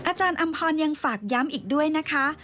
อาจารย์อำพรยังฝากย้ำอีกด้วยนะคะ